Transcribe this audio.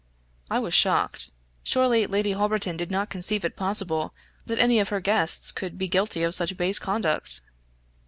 I was shocked; surely Lady Holberton did not conceive it possible that any of her guests could be guilty of such base conduct?